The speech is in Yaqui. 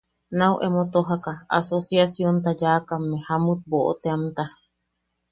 Nau emo tojaka asociacionta yaakamme Jamut Boʼo teamta...